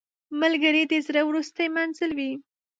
ملګری د زړه وروستی منزل وي